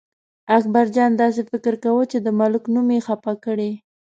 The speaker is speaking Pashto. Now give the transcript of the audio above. اکبرجان داسې فکر کاوه چې د ملک نوم یې خپه کړی.